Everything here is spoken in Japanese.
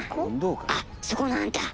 あっそこのあんた！